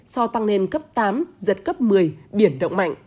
sau tăng lên cấp tám giật cấp một mươi biển động mạnh